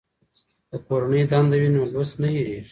که کورنۍ دنده وي نو لوست نه هېریږي.